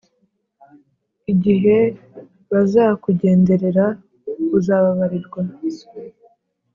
igihe bazakugenderera, uzababarirwa.